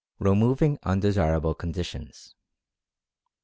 REMOVING UNDESIRABLE CONDITIONS.